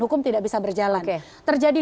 hukum tidak bisa berjalan terjadi